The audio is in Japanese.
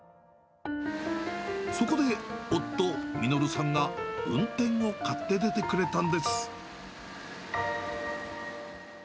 そこで夫、稔さんが運転を買って出てくれたんです。